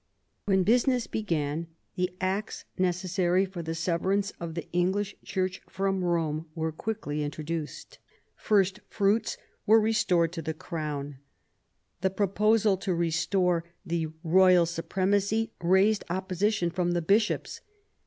When business began, the Acts necessary for the severance of the English Church from Rome were quickly introduced. First fruits were restored to the Crown. The proposal to restore the royal supremacy raised opposition from the Bishops.